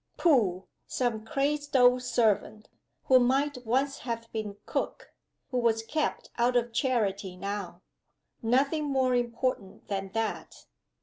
Pooh! some crazed old servant, who might once have been cook; who was kept out of charity now. Nothing more important than that.